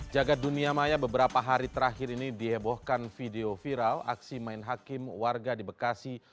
jaga dunia maya beberapa hari terakhir ini dihebohkan video viral aksi main hakim warga di bekasi